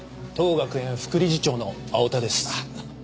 当学園副理事長の青田です。